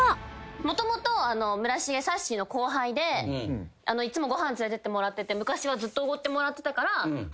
もともと村重さっしーの後輩でいつもご飯連れてってもらってて昔はずっとおごってもらってたから。